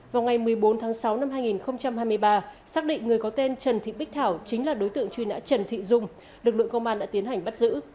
vào ngày một mươi bốn tháng sáu năm hai nghìn hai mươi ba xác định người có tên trần thị bích thảo chính là đối tượng truy nã trần thị dung lực lượng công an đã tiến hành bắt giữ